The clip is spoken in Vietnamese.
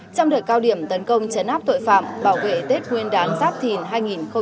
trong đợt cao điểm tấn công chấn áp tội phạm bảo vệ tết nguyên đán giáp thìn hai nghìn hai mươi bốn